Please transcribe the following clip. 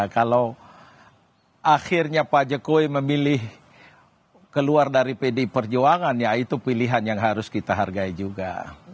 kalau akhirnya pak jokowi memilih keluar dari pdi perjuangan ya itu pilihan yang harus kita hargai juga